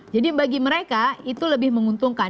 jadi bagi mereka itu lebih menguntungkan